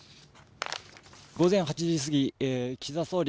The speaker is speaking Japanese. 午前８時過ぎ岸田総理